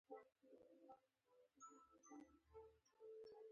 انجنیري سروې د ودانیو د جوړولو لپاره مواد برابر کوي